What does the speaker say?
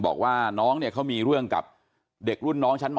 บอกว่าน้องเนี่ยเขามีเรื่องกับเด็กรุ่นน้องชั้นม๔